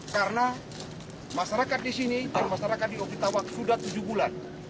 karena masyarakat di sini dan masyarakat di oktitawak sudah tujuh bulan